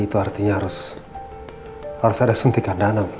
itu artinya harus ada suntikan dana